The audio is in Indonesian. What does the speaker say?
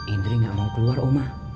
indri gak mau keluar rumah